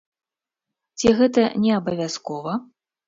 Ці гэта не абавязкова?